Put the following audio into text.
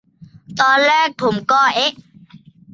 ตอนแรกผมก็ "เอ๊ะ"